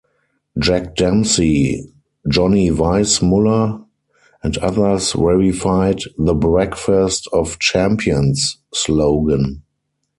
Jack Dempsey, Johnny Weissmuller, and others verified the "Breakfast of Champions" slogan.